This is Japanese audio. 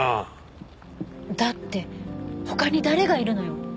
だって他に誰がいるのよ？